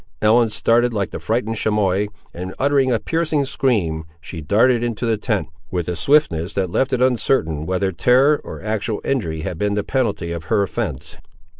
Ellen started like the frightened chamois, and uttering a piercing scream, she darted into the tent, with a swiftness that left it uncertain whether terror or actual injury had been the penalty of her offence.